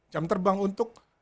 jam terbang untuk